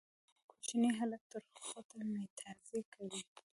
کوچنی هلک تر خوټه ميتيازې کوي